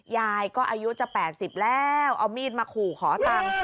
ยายก็อายุจะ๘๐แล้วเอามีดมาขู่ขอตังค์